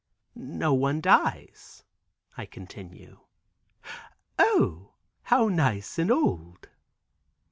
"No one dies," I continue. "O how nice and old."